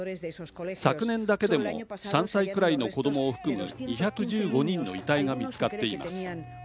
昨年だけでも３歳くらいの子どもを含む２１５人の遺体が見つかっています。